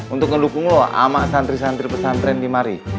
untuk ngedukung lo ama santri santri pesantren di mari